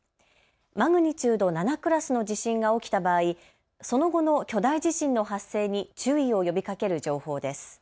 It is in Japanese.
マグニチュード７クラスの地震が起きた場合、その後の巨大地震の発生に注意を呼びかける情報です。